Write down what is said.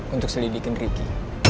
untuk selidikin riki